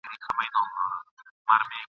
چي دهقان ته په لاس ورنه سي تارونه !.